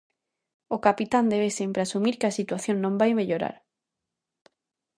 O capitán debe sempre asumir que a situación non vai mellorar.